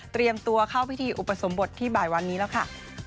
ตัวเข้าพิธีอุปสมบทที่บ่ายวันนี้แล้วค่ะ